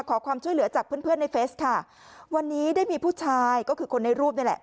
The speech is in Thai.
ขอความช่วยเหลือจากเพื่อนเพื่อนในเฟสค่ะวันนี้ได้มีผู้ชายก็คือคนในรูปนี่แหละ